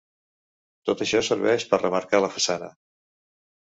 Tot això serveix per remarcar la façana.